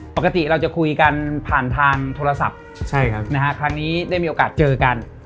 ปกติเราจะคุยกันผ่านทางโทรศัพท์ครั้งนี้ได้มีโอกาสเจอกัน